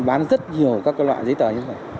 bán rất nhiều các loại giấy tờ như thế này